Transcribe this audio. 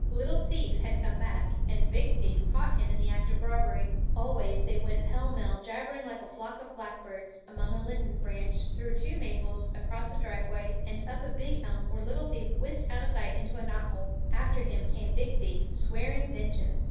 Little Thief had come back, and Big Thief caught him in the act of robbery. Away they went pell mell, jabbering like a flock of blackbirds, along a linden branch, through two maples, across a driveway, and up a big elm where Little Thief whisked out of sight into a knot hole. After him came Big Thief, swearing vengeance.